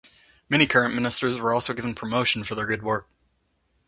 Many current ministers were also given promotion for their good work.